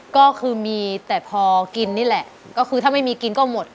ก็คือมีแต่พอกินนี่แหละก็คือถ้าไม่มีกินก็หมด